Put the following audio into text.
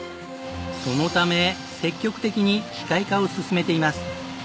そのため積極的に機械化を進めています。